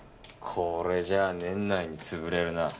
これじゃあ年内に潰れるな。